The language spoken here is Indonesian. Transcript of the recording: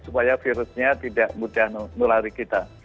supaya virusnya tidak mudah menulari kita